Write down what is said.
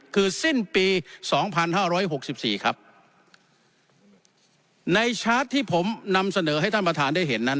คือสิ้นปีสองพันห้าร้อยหกสิบสี่ครับในชาร์จที่ผมนำเสนอให้ท่านประธานได้เห็นนั้น